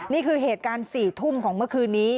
นี่คือเหตุการณ์๔ทุ่มของเมื่อคืนนี้